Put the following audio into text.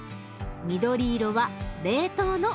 緑色は冷凍の枝豆。